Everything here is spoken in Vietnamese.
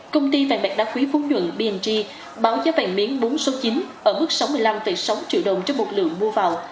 công ty vàng bạc đá quý phú nhuận bng báo giá vàng miếng bốn số chín ở mức sáu mươi năm sáu triệu đồng trên một lượng mua vào